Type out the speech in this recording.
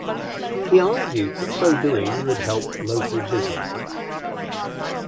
He argued that so doing would help local businesses.